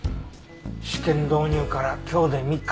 試験導入から今日で３日目。